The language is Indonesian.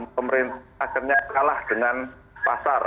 pemerintah akhirnya kalah dengan pasar